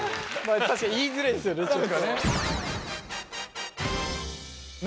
確かに言いづらいですよねちょっと。